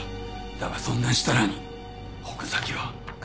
だがそんな設楽に奥崎は。